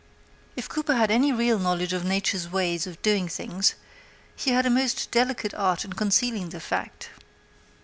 If Cooper had any real knowledge of Nature's ways of doing things, he had a most delicate art in concealing the fact.